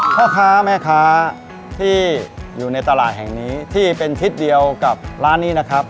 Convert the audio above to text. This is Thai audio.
พ่อค้าแม่ค้าที่อยู่ในตลาดแห่งนี้ที่เป็นทิศเดียวกับร้านนี้นะครับ